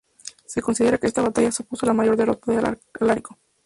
Se considera que esta batalla supuso la mayor derrota de Alarico.